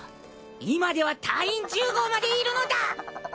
今では隊員１０号までいるのだ！